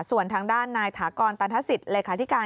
ส่วนทางด้านนายถากรตรรษิตเลขาทิการ